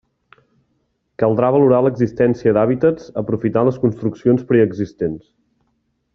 Caldrà valorar l'existència d'hàbitats aprofitant les construccions preexistents.